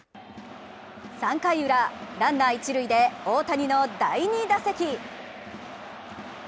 ３回ウラ、ランナー、一塁で大谷の第２打席。